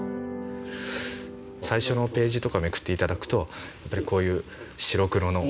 最初のページとかめくって頂くとやっぱりこういう白黒の。